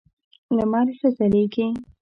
لمر ښه ځلېږي .